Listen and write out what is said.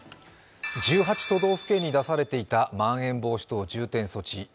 都道府県に出されていたまん延防止等重点措置